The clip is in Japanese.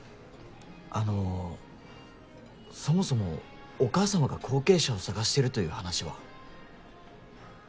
あのそもそもお母様が後継者を探しているという話は？